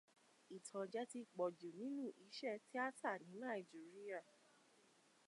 Ìtànjẹ ti pọ̀jù nínú iṣẹ́ tíátà ní Nàìjíríà.